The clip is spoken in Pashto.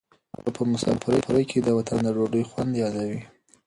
هغه په مسافرۍ کې د وطن د ډوډۍ خوند یادوي.